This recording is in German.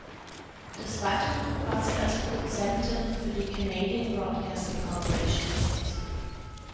Des Weiteren war sie als Produzentin für die Canadian Broadcasting Corporation tätig.